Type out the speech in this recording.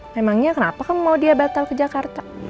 memangnya kenapa kan mau dia batal ke jakarta